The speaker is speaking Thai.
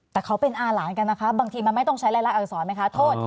แต่เขาเป็นอาหลานกันนะคะบางทีมันไม่ต้องใช้รายละอักษรไหมคะโทษ